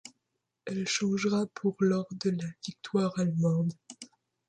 Elle changera pour lors de la victoire allemande.